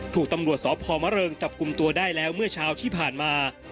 ถูกตำรวจสพมะเริงจับกลุ่มตัวได้แล้วเมื่อเช้าที่ผ่านมา